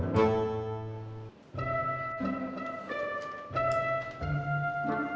emang bilang emaknya udah kebanyakan emaknya udah kebanyakan